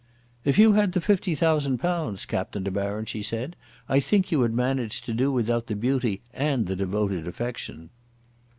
"If you had the £50,000, Captain De Baron," she said, "I think you would manage to do without the beauty and the devoted affection."